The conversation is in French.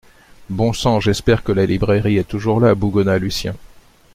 Bon sang, j’espère que la librairie est toujours là, bougonna Lucien.